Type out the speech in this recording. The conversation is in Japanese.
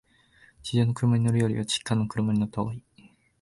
地上の車に乗るよりは、地下の車に乗ったほうが、